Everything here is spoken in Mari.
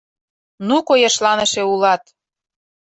— Ну койышланыше улат!